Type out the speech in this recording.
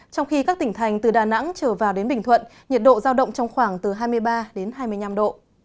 trong khi các tỉnh thành từ đà nẵng trở vào đến bình thuận nhiệt độ giao động trong khoảng từ hai mươi ba đến hai mươi năm độ